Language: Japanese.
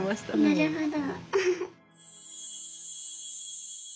なるほど。